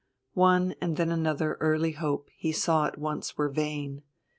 One and then another early hope he saw at once were vain.